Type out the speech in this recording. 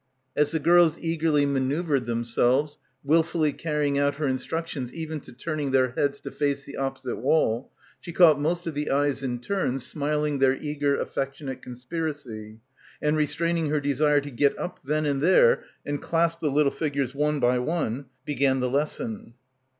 As the girls eagerly manoeuvred themselves, wilfully carry ing out her instructions even to turning their heads to face the opposite wall, she caught most of the eyes in turn smiling their eager affectionate con spiracy, and restraining her desire to get up then and there and clasp the little figures one by one, began the lesson.